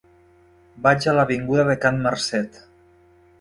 Vaig a l'avinguda de Can Marcet.